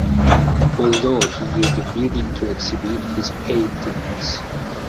Although he used the building to exhibit his paintings.